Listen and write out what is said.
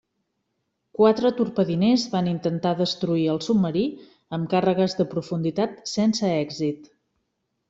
Quatre torpediners van intentar destruir al submarí amb càrregues de profunditat sense èxit.